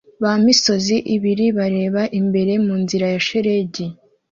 Ba misozi ibiri bareba imbere munzira ya shelegi